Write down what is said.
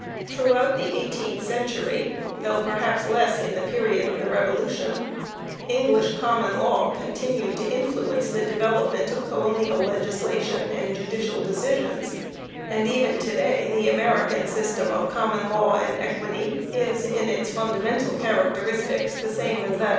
Throughout the eighteenth century, though perhaps less in the period of the Revolution, English Common Law continued to influence the development of colonial legislation and judicial decisions ; and even to day the American system of Common Law and Equity is in its fundamental characteristics the same as that.